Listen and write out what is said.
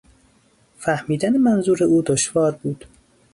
فهمیدن منظور او دشوار بود.